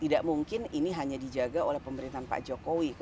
tidak mungkin ini hanya dijaga oleh pemerintahan pak jokowi